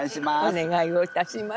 お願いをいたします。